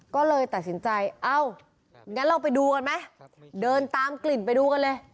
ก็เลยตัดสินใจเอ้างั้นเราไปดูกันไหมเดินตามกลิ่นไปดูกันเลย